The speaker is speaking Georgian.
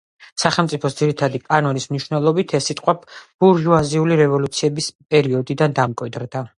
სახელმწიფოს ძირითადი კანონის მნიშვნელობით ეს სიტყვა ბურჟუაზიული რევოლუციების პერიოდიდან დამკვიდრდა.